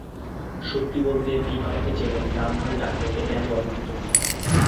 সত্যি বলতে ভিভ আমাকে চেনেন, নাম ধরে ডাকলেন, এতেই আমি অভিভূত।